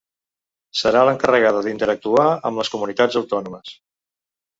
Serà l’encarregada d’interactuar amb les comunitats autònomes.